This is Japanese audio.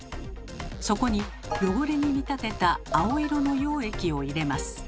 そこに汚れに見立てた青色の溶液を入れます。